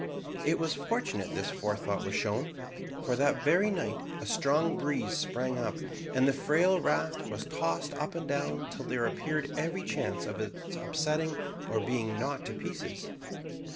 It was fortunate this forethought was shown, for that very night a strong breeze sprang up, and the frail raft was tossed up and down till there appeared every chance of its upsetting or being knocked to pieces.